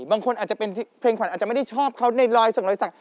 บางคนเป็นเพลงขวัญอาจจะไม่ได้ชอบเขาแบบในรอยซึ่งรอยซึ่ง